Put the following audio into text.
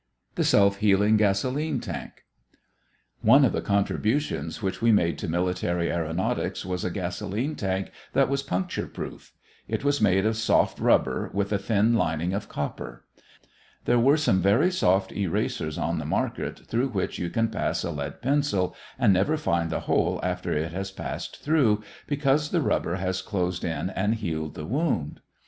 THE SELF HEALING GASOLENE TANK One of the contributions which we made to military aëronautics was a gasolene tank that was puncture proof. It was made of soft rubber with a thin lining of copper. There are some very soft erasers on the market through which you can pass a lead pencil and never find the hole after it has passed through, because the rubber has closed in and healed the wound.